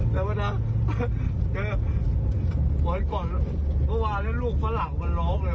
แต่ว่านะแกวันก่อนเมื่อวานแล้วลูกฝรั่งมันร้องเลย